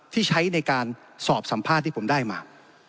ที่ใช้ในการสอบสัมภาษณ์ที่ผมได้มา